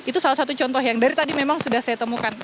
itu salah satu contoh yang dari tadi memang sudah saya temukan